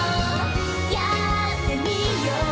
「やってみよう」